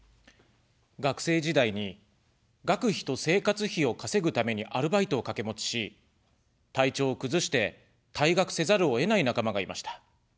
学生時代に、学費と生活費を稼ぐためにアルバイトをかけ持ちし、体調を崩して、退学せざるを得ない仲間がいました。